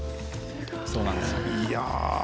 そうなんですよ。